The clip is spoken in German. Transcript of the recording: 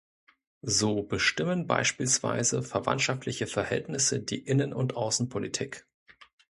So bestimmen beispielsweise verwandtschaftliche Verhältnisse die Innen- und Außenpolitik.